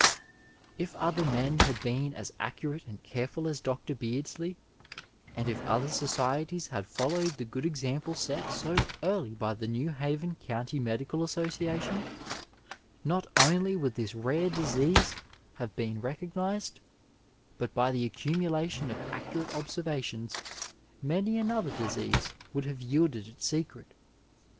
If other men had been as accurate and careful as Dr. Beardsley, and if other societies had followed the good example set so early by the New Haven County Medical Association, not only would this rare disease have been recognized, but by the accumulation of accurate observations many another disease would have yielded its secret.